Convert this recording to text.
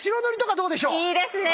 いいですね！